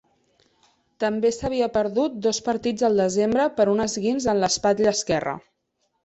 També s'havia perdut dos partits al desembre per un esquinç en l'espatlla esquerra.